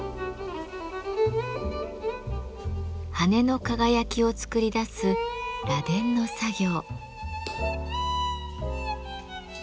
羽の輝きを作り出す螺鈿の作業。